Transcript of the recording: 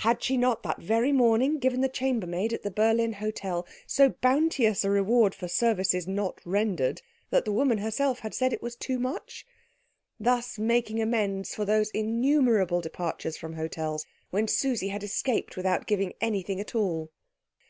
Had she not that very morning given the chambermaid at the Berlin hotel so bounteous a reward for services not rendered that the woman herself had said it was too much? Thus making amends for those innumerable departures from hotels when Susie had escaped without giving anything at all.